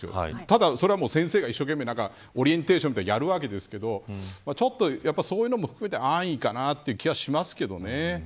ただそれは先生が一生懸命オリエンテーションみたいにやるわけですけどちょっと、そういうのも含めて安易かなという気はしますけどね。